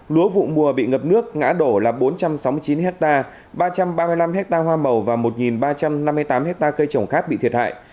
lúa vụ mùa bị ngập nước ngã đổ là bốn trăm sáu mươi chín hectare ba trăm ba mươi năm ha hoa màu và một ba trăm năm mươi tám hectare cây trồng khác bị thiệt hại